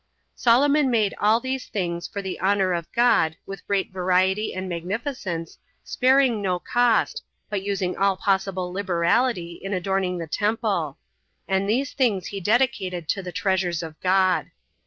9. Solomon made all these things for the honor of God, with great variety and magnificence, sparing no cost, but using all possible liberality in adorning the temple; and these things he dedicated to the treasures of God.